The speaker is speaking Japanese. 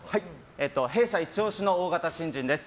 弊社イチ押しの大型新人です。